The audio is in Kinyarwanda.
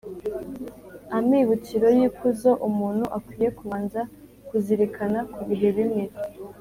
amibukiro y’ikuzo umuntu akwiye kubanza kuzirikana ku bihe bimwe